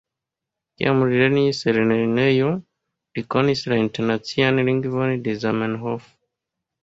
Kiam li lernis en lernejo, li konis la internacian lingvon de Zamenhof.